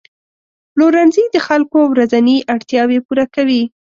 پلورنځي د خلکو ورځني اړتیاوې پوره کوي.